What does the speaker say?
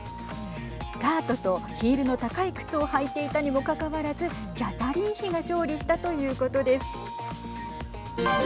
スカートとヒールの高い靴を履いていたにもかかわらずキャサリン妃が勝利したということです。